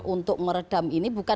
untuk meredam ini